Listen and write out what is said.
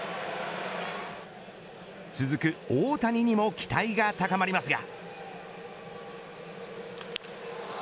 続く大谷にも期待が高まりますが。